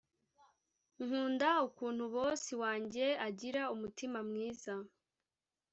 nkunda ukunu bosi wanjye agira umutima mwiza